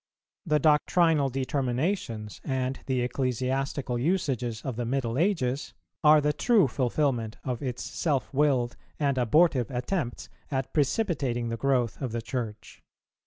The doctrinal determinations and the ecclesiastical usages of the middle ages are the true fulfilment of its self willed and abortive attempts at precipitating the growth of the Church.